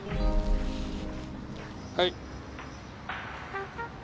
はい。